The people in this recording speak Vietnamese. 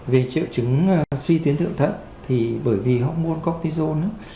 về triệu chứng suy tiến thượng thận thì bởi vì hốc môn cortisone